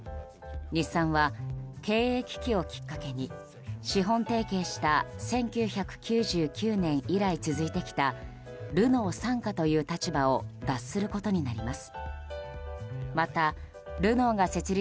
日産は経営危機をきっかけに資本提携した１９９９年以来続いてきたルノー傘下という立場を脱することになります。